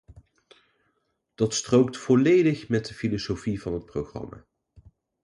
Dat strookt volledig met de filosofie van het programma.